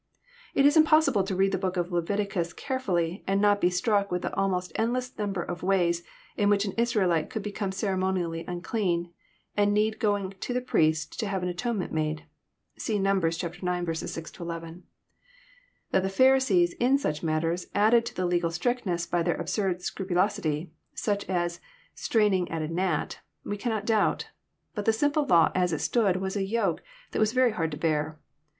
It is impossible to read the book of Leviticus carefhlly, and not to be struck with the almost endless number of ways in which an Israelite could be come ceremonially unclean, and need going to the priest to have an atonement made. (See Numbers ix. 6—11.) That the Pharisees, in such matters, added to legal strictness by their absurd scrupulosity, such as straining at a gnat," we cannot doubt ; but the simple law as it stood was a yoke that was very hard to bear.